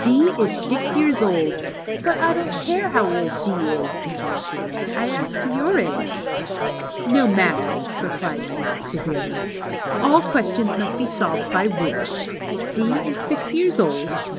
D is six years old "—" But I don't care how old D is," interrupted Ned. " I asked your age." " No matter," replied A, severely. " All questions must be solved jjy rule. D is six years old.